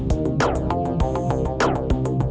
makanya jadi anakmu jangan nakal